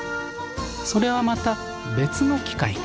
それはまた別の機会に。